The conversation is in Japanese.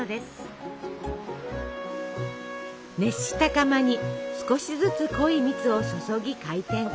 熱した釜に少しずつ濃い蜜を注ぎ回転。